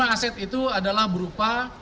aset itu adalah berupa